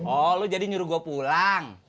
oh lu jadi nyuruh gua pulang